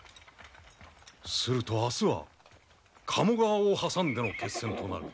すると明日は加茂川を挟んでの決戦となる。